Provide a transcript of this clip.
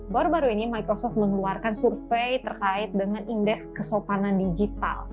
baru baru ini microsoft mengeluarkan survei terkait dengan indeks kesopanan digital